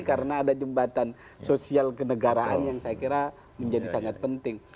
karena ada jembatan sosial kenegaraan yang saya kira menjadi sangat penting